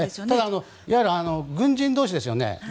ただ、軍人同士ですよね。